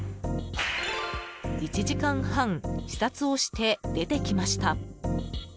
１時間半、視察をして出てきました。